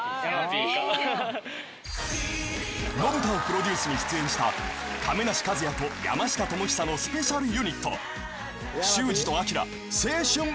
［『野ブタ。をプロデュース』に出演した亀梨和也と山下智久のスペシャルユニット］